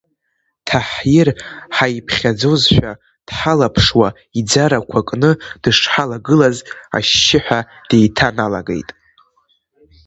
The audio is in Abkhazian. Таҳир, ҳаиԥхьаӡошәа дҳалаԥшуа, иӡарақуа кны дышҳалагылаз, ашьшьыҳәа деиҭаналагеит.